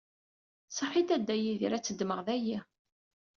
Saḥit a Dda Yidir, ad t-ddmeɣ dayi.